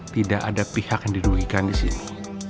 tidak ada pihak yang dirugikan disini